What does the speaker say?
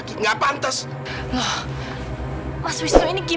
simpener ya false setengah